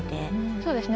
そうですね